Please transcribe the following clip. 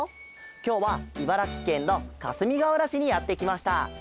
きょうはいばらきけんのかすみがうらしにやってきました。